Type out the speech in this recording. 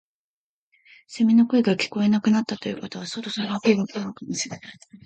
セミの声が聞こえなくなったということはそろそろ秋が来たのかもしれない